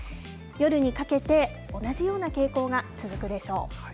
夜にかけて、同じような傾向が続くでしょう。